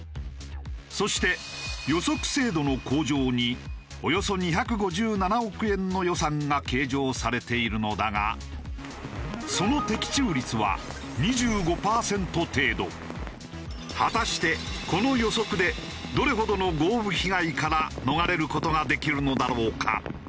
そして予測精度の向上におよそ２５７億円の予算が計上されているのだがその果たしてこの予測でどれほどの豪雨被害から逃れる事ができるのだろうか？